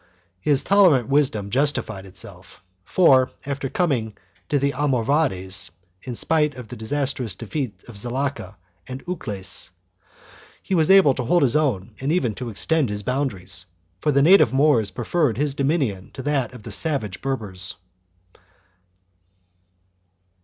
His tolerant wisdom justified itself, for, after the coming of the Almoravides, in spite of the disastrous defeats of Zalaca and Ucles, he was able to hold his own and even to extend his boundaries, for the native Moors preferred his domination to that of the savage Berbers.